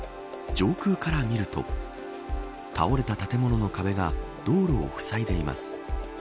上空から見ると倒れた建物の壁が道路をふさいでいます。